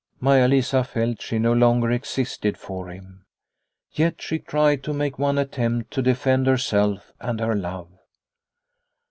Maia Lisa felt she no longer existed for him. Yet she tried to make one attempt to defend herself and her love.